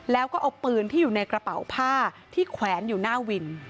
แล้วก็เอาปืนที่อยู่ในกระเป๋าผ้าที่แขวนอยู่หน้าวิน